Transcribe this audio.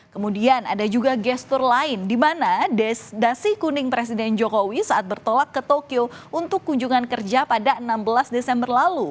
kemudian ada juga gestur lain di mana destin kuning presiden jokowi saat bertolak ke tokyo untuk kunjungan kerja pada enam belas desember lalu